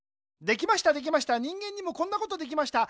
できましたできました人間にもこんなことできました